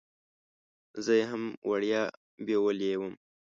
زه یې هم وړیا بیولې وم.